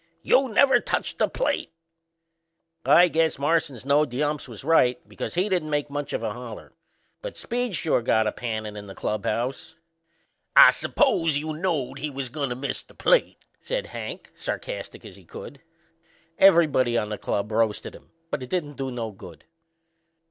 "You never touched the plate." I guess Marsans knowed the umps was right because he didn't make much of a holler. But Speed sure got a pannin' in the club house. "I suppose you knowed he was goin' to miss the plate!" says Hank sarcastic as he could. Everybody on the club roasted him, but it didn't do no good.